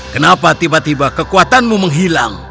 kenapa tiba tiba kekuatanmu menghilang